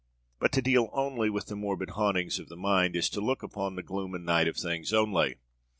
But to deal only with the morbid hauntings of the mind is to look upon the gloom and night of things only.